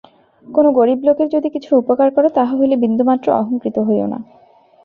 কোন গরীব লোকের যদি কিছু উপকার কর, তাহা হইলে বিন্দুমাত্র অহঙ্কৃত হইও না।